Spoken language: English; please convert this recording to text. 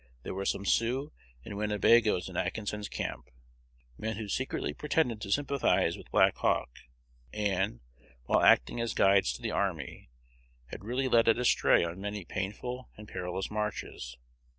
There were some Sioux and Winnebagoes in Atkinson's camp, men who secretly pretended to sympathize with Black Hawk, and, while acting as guides to the army, had really led it astray on many painful and perilous marches.